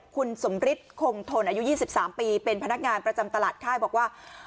คุณสมฤทธิ์คงทนอายุ๒๓ปีเป็นพนักงานประจำตลาดค่ายบอกว่า